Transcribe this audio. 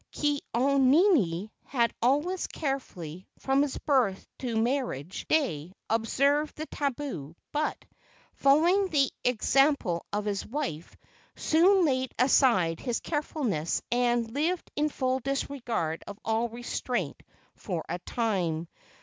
Ke au nini had always carefully, from his birth to marriage day, observed the tabu, but, following the exam¬ ple of his wife, soon laid aside his carefulness, and lived in full disregard of all restraint for a time.